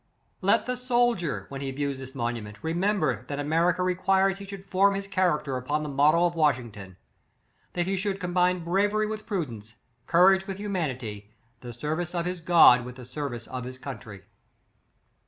" Let the soldier, when he views this monument, remember, that America re quires he should form his character upon the model of Washington; that he should combine bravery with prudence; courage with humanity; the service of his God with the service of his country.